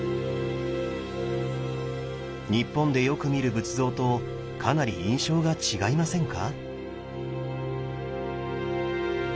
日本でよく見る仏像とかなり印象が違いませんか？